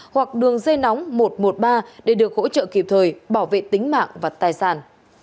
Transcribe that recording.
hoặc đường dây nóng một trăm một mươi ba để được hỗ trợ kịp thời bảo vệ tính mạng và tài sản